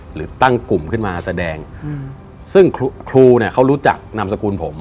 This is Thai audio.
หรือตั้งกลุ่มขึ้นมาแสดงซึ่งครูเนี่ยเขารู้จักนามสกุลผม